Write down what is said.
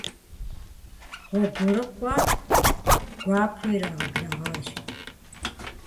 ГъуэгурыкӀуэр гуапэу ирагъэблэгъащ.